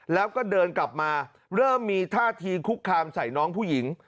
แล้วก็เดินกลับมาเริ่มมีท่าทีคุกคามใส่น้องผู้หญิง